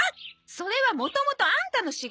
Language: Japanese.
それはもともとアンタの仕事。